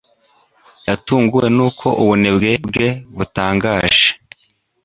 Yatunguwe nuko ubunebwe bwe butangaje.